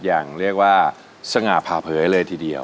อย่างเรียกว่าสง่าผ่าเผยเลยทีเดียว